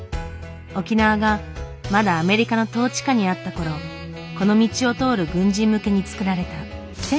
沖縄がまだアメリカの統治下にあった頃この道を通る軍人向けに造られた。